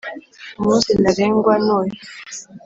, umunsi ntarengwa ni uyu!